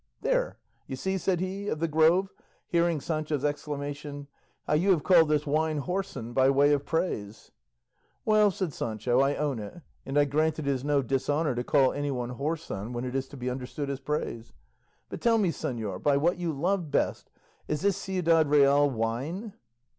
"There, you see," said he of the Grove, hearing Sancho's exclamation, "how you have called this wine whoreson by way of praise." "Well," said Sancho, "I own it, and I grant it is no dishonour to call anyone whoreson when it is to be understood as praise. But tell me, señor, by what you love best, is this Ciudad Real wine?"